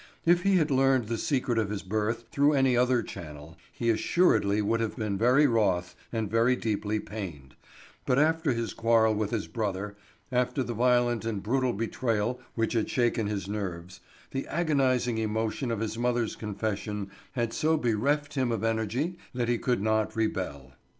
If he had learned the secret of his birth through any other channel he would assuredly have been very wroth and very deeply pained, but after his quarrel with his brother, after the violent and brutal betrayal which had shaken his nerves, the agonizing emotion of his mother's confession had so bereft him of energy that he could not rebel.